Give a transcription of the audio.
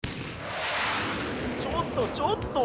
ちょっとちょっと！